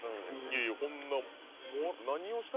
いやいやこんな。